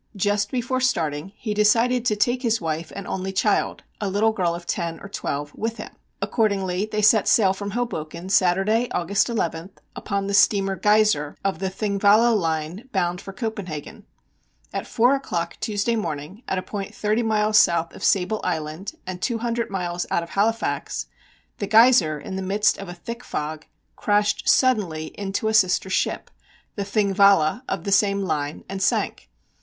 Just before starting he decided to take his wife and only child, a little girl of ten or twelve, with him. Accordingly they set sail from Hoboken Saturday, August 11, upon the steamer Geiser, of the Thingvalla Line, bound for Copenhagen. At four o'clock Tuesday morning, at a point thirty miles south of Sable Island and two hundred miles out of Halifax, the Geiser, in the midst of a thick fog, crashed suddenly into a sister ship, the Thingvalla, of the same line, and sank.